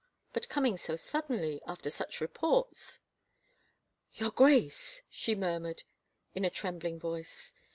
... But coming so suddenly ... after such reports ,.. Your Grace!" she murmured in a trembling voice.